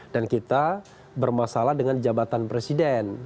dan kita bermasalah dengan jabatan presiden